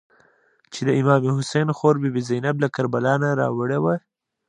چې د امام حسین خور بي بي زینب له کربلا نه راوړې وه.